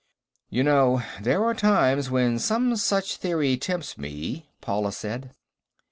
"You know, there are times when some such theory tempts me," Paula said.